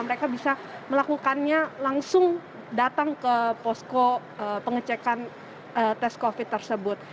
mereka bisa melakukannya langsung datang ke posko pengecekan tes covid tersebut